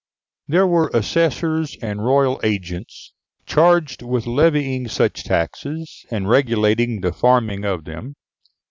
There were assessors and royal agents charged with levying such taxes and regulating the farming of them.